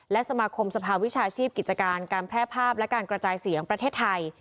และสมาคมสภาวิชาชีพกิจการการแพร่ภาพและการกระจายเสียงประเทศไทย